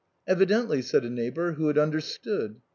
" Evidently," said a neighbor who had understood.